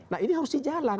nah ini harus di jalan